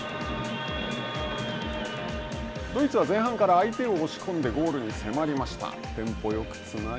ドイツは前半から相手を押し込んでゴールに迫りました。